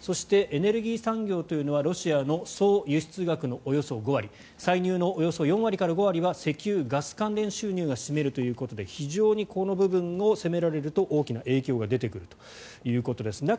そしてエネルギー産業はロシアの総輸出額のおよそ５割歳入のおよそ４割から５割を石油、ガス関連収入が占めるということで非常にこの部分を攻められると大きな影響が出てくるということです。